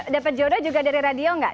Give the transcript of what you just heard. dapet jodoh juga dari radio gak